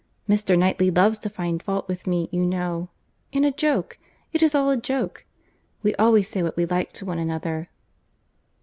Mr. Knightley loves to find fault with me, you know—in a joke—it is all a joke. We always say what we like to one another."